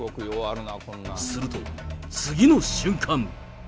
すると、次の瞬間。